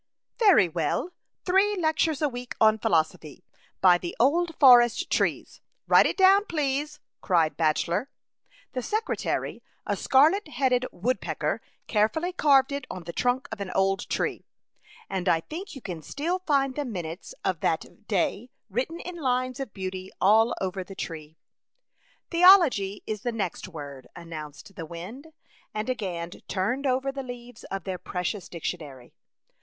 " Very well ; three lectures a week on philosophy, by the old forest trees ; write it down, please," cried Bachelor. The secretary, a scarlet headed woodpecker, carefully carved it on the trunk of an old tree, and I think you 48 A Chautauqua Idyl. can still find the minutes of that day written in lines of beauty all over the tree. "Theology is the next word/' an nounced the wind, and again turned over the leaves of their precious dic tionary.